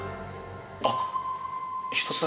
あっ！